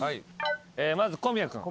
まず小宮君。